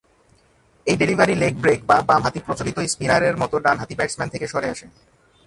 এই delivery leg break বা বাঁ-হাতি প্রচলিত স্পিনারের মতো ডানহাতি ব্যাটসম্যান থেকে সরে আসে।